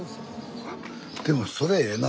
でもそれええな。